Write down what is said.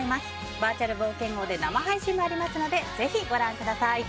バーチャル冒険王で生配信もあるのでぜひご覧ください。